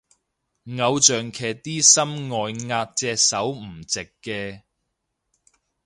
偶像劇啲心外壓隻手唔直嘅